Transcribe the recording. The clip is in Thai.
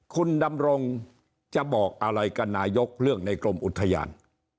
คุณดำรงจะบอกอะไรกับนายกเรื่องในกรมอุทยาน